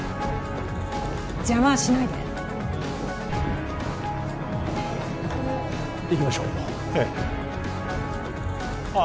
邪魔はしないで行きましょうええあっ